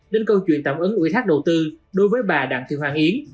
đến câu chuyện tạm ứng ủy thác đầu tư đối với bà đặng thiên hoàng yến